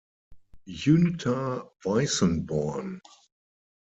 Günter Weißenborn